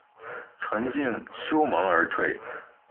存敬修盟而退。